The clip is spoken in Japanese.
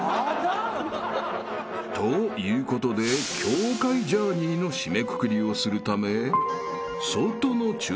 ［ということで教会ジャーニーの締めくくりをするため外の］えっ！？